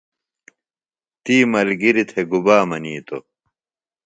تی ملگِریۡ تھےۡ گُبا منِیتوۡ؟